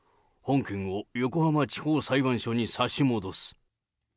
本件を横浜地方裁判所に差し戻す。